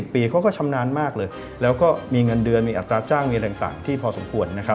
ปีเขาก็ชำนาญมากเลยแล้วก็มีเงินเดือนมีอัตราจ้างมีอะไรต่างที่พอสมควร